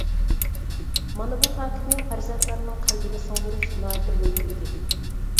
مانا بۇ پاكىتنى پەرزەنتلەرنىڭ قەلبىگە سىڭدۈرۈش ناھايىتى مۇھىم ئىدى.